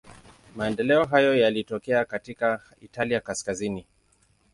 Maendeleo hayo yalitokea katika Italia kaskazini.